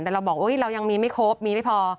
แต่เราบอกเรายังมีไม่ครบมีไม่พอ